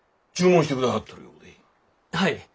はい。